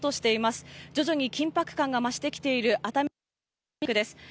救助に緊迫感が増してきている熱海市です。